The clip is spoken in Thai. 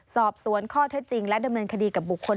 สอบสวนข้อเท็จจริงและดำเนินคดีกับบุคคล